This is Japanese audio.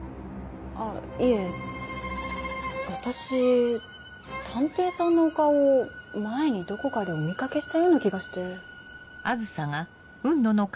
あぁいえ私探偵さんのお顔を前にどこかでお見掛けしたような気がして。